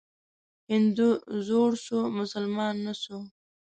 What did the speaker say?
هندو زوړ سو ، مسلمان نه سو.